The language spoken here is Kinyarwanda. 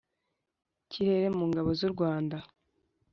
Kirere mu Ngabo z u Rwanda